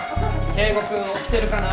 圭吾君起きてるかな？